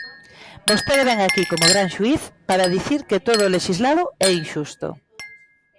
Vostede vén aquí como gran xuíz para dicir que todo o lexislado é inxusto.